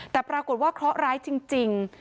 แต่ปรากฏว่าเคราะห์ร้ายจริง